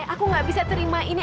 aku gak bisa terima ini